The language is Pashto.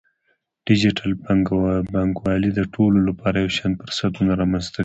ډیجیټل بانکوالي د ټولو لپاره یو شان فرصتونه رامنځته کوي.